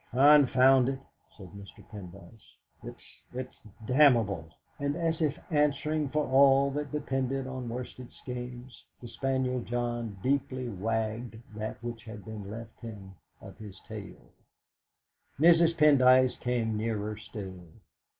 "Confound it!" said Mr. Pendyce. "It's it's damnable!" And as if answering for all that depended on Worsted Skeynes, the spaniel John deeply wagged that which had been left him of his tail. Mrs. Pendyce came nearer still.